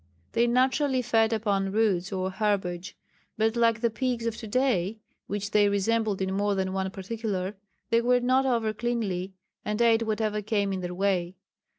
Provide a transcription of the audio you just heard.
They naturally fed upon roots or herbage, but like the pigs of to day, which they resembled in more than one particular, they were not over cleanly, and ate whatever came in their way.